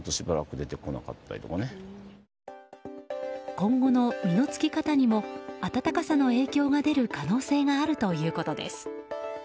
今後の実のつき方にも暖かさの可能性があるということです。